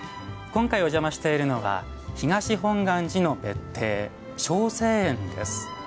今回、お邪魔しているのは東本願寺の別邸渉成園です。